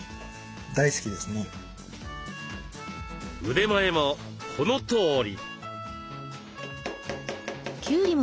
腕前もこのとおり。